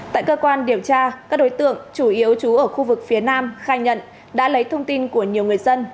tại cơ quan điều tra các đối tượng chủ yếu trú ở khu vực phía nam khai nhận đã lấy thông tin của nhiều người dân